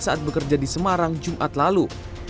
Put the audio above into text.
saat bekerja di semarang jumat lalu